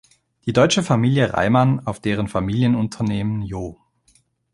Die deutsche Familie Reimann, auf deren Familienunternehmen Joh.